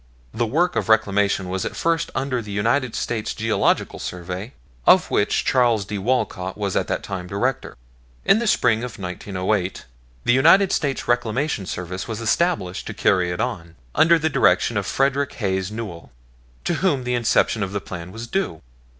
The work of Reclamation was at first under the United States Geological Survey, of which Charles D. Walcott was at that time Director. In the spring of 1908 the United States Reclamation Service was established to carry it on, under the direction of Frederick Hayes Newell, to whom the inception of the plan was due.